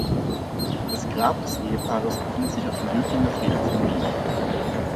Das Grab des Ehepaares befindet sich auf dem Döblinger Friedhof in Wien.